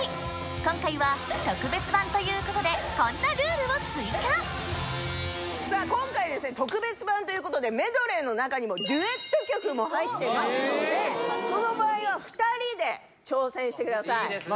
今回は特別版ということでこんなルールを追加今回ですね特別版ということでメドレーの中にもデュエット曲も入ってますのでその場合は２人で挑戦してくださいいいですね